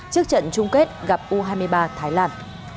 trước trận chung kết gặp u hai mươi ba thái lan